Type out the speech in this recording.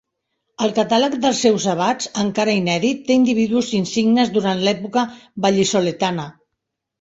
El catàleg dels seus abats, encara inèdit, té individus insignes durant l'època val·lisoletana.